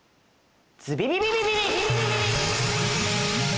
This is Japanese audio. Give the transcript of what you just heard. ズビビビビビビ！